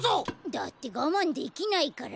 だってがまんできないから。